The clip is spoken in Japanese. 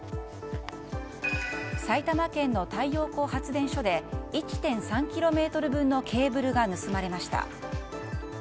埼玉県の太陽光発電所で１．３ｋｍ分のケーブルが盗まれました。